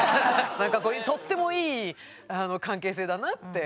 とってもいい関係性だなって。